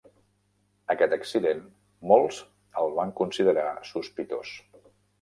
Aquest accident, molts el van considerar sospitós.